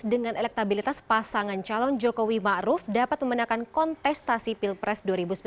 dengan elektabilitas pasangan calon jokowi ma'ruf dapat memenangkan kontestasi pilpres dua ribu sembilan belas